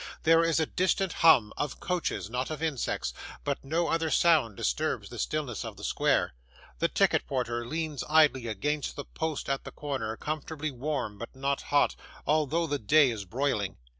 There is a distant hum of coaches, not of insects but no other sound disturbs the stillness of the square. The ticket porter leans idly against the post at the corner: comfortably warm, but not hot, although the day is broiling.